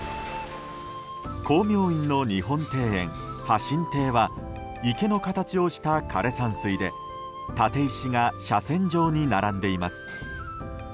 光明院の日本庭園、波心庭は池の形をした枯山水で立石が斜線上に並んでいます。